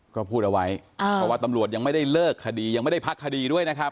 ก็พูดเอาไว้เพราะว่าตำรวจยังไม่ได้เลิกคดียังไม่ได้พักคดีด้วยนะครับ